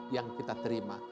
yang kita terima